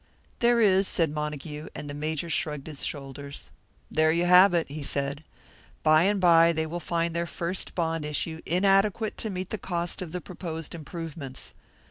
"There is," said Montague; and the Major shrugged his shoulders. "There you have it," he said. "By and by they will find their first bond issue inadequate to meet the cost of the proposed improvements.